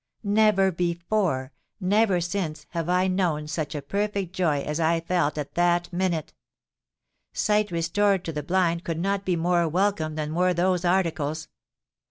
Never before—never since, have I known such perfect joy as I felt at that minute. Sight restored to the blind could not be more welcome than were those articles.